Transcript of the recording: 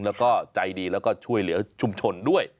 แล้วก็ใจดีแล้วก็ช่วยเหลือชุมชนด้วย